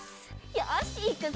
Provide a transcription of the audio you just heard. よしいくぞ！